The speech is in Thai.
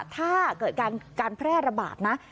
ถ้าเกิดการแพร่ระบาดนะ